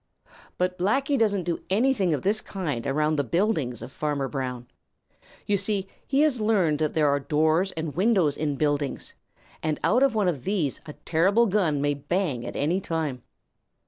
But Blacky doesn't do anything of this kind around the buildings of Farmer Brown. You see, he has learned that there are doors and windows in buildings, and out of one of these a terrible gun may bang at any time.